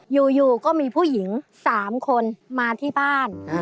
อยู่ก็มีผู้หญิง๓คนมาที่บ้าน